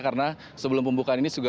karena sebelum pembukaan ini